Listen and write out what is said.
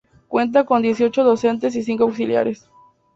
Cuenta con dieciocho docentes y cinco auxiliares.